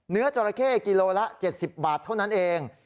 เนื้อจราเข้กิโลกรัมละ๗๐บาทเท่านั้นเอง